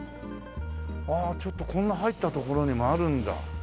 ああちょっとこんな入った所にもあるんだ。